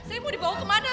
saya mau dibawa kemana